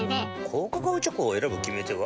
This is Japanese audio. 高カカオチョコを選ぶ決め手は？